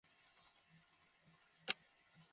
সুস্বাস্থ্য ও শান্তির জন্য।